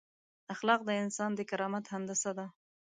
اخلاق د انسان د کرامت هندسه ده.